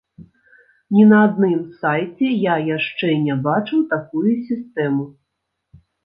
Ні на адным сайце я яшчэ не бачыў такую сістэму.